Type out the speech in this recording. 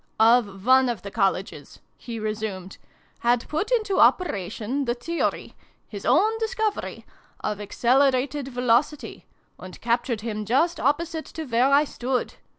of one of the Colleges," he resumed, "had put into operation the Theory his own discovery of Accelerated Velocity, and cap tured him just opposite to where I stood.